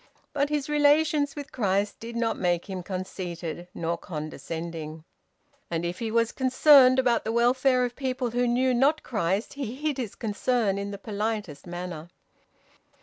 But his relations with Christ did not make him conceited, nor condescending. And if he was concerned about the welfare of people who knew not Christ, he hid his concern in the politest manner.